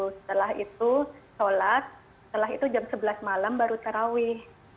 setelah itu sholat setelah itu jam sebelas malam baru terawih